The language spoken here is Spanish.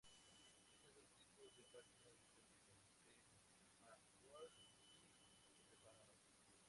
Existen dos tipos de páginas de códigos: de hardware y preparadas.